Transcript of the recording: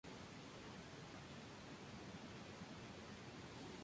Es una especie suculenta con tallo cilíndrico y carnoso.